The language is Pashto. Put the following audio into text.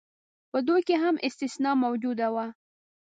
په دوی کې هم استثنا موجوده وه.